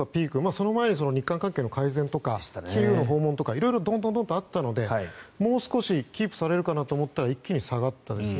その前に日韓関係の訪問とかキーウの訪問とか色々どんどんどんとあったのでもう少しキープされるかと思ったら一気に下がりましたね。